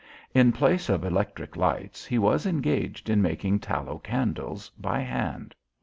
In place of electric lights he was engaged in making tallow candles by hand.